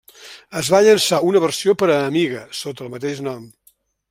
Es va llançar una versió per a Amiga, sota el mateix nom.